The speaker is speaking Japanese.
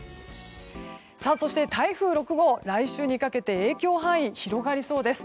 そして、台風６号来週にかけて影響範囲が広がりそうです。